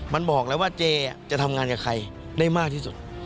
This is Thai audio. มันบอกแล้วว่าเจจะทำงานกับใครได้มากที่สุด